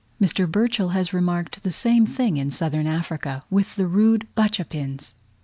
Mr. Burchell has remarked the same thing in Southern Africa, with the rude Bachapins.